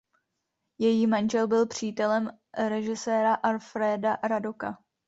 Její manžel byl přítelem režiséra Alfréda Radoka.